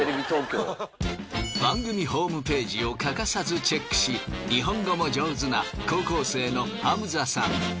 番組ホームページを欠かさずチェックし日本語も上手な高校生のハムザさん。